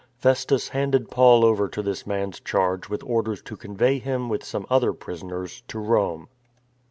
Festus handed Paul over to this man's charge with orders to convey him with some other prisoners to Rome.